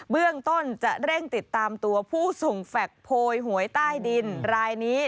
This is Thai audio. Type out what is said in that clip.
เบื้องต้นจะเร่งติดตามตัวผู้ส่งแฟคโพยหวยใต้ดินรายนี้